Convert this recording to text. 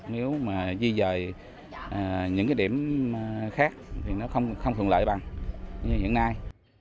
nếu mà di dời những cái điểm khác thì nó không thuận lợi bằng như hiện nay